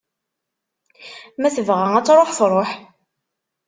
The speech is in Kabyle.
Ma tebɣa ad tṛuḥ, tṛuḥ.